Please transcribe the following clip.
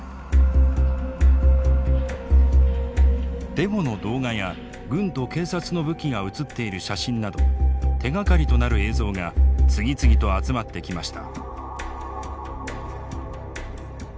デモの動画や軍と警察の武器が写っている写真など手がかりとなる映像が次々と集まってきました。